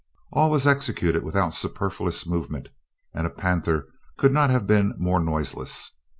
All was executed without a superfluous movement, and a panther could not have been more noiseless.